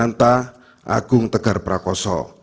dan entah agung tegar prakoso